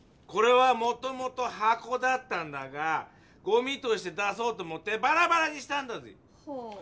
これはもともとはこだったんだがゴミとして出そうと思ってバラバラにしたんだぜぇ！